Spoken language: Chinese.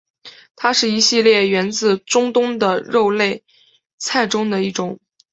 它是一系列源自中东的肉类菜中的一种。